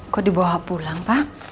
kok dibawa pulang pak